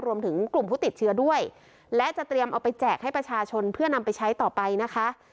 รวมถึงกลุ่มผู้ติดเชื้อด้วยและจะเตรียมเอาไปแจกให้ประชาชนเพื่อนำไปใช้ต่อไปนะคะ